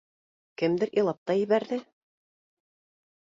Кемдер илап та ебәрҙе.